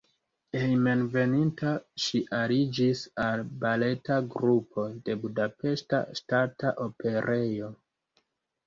Hejmenveninta ŝi aliĝis al baleta grupo de Budapeŝta Ŝtata Operejo.